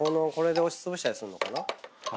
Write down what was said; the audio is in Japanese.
これで押しつぶしたりするのかな？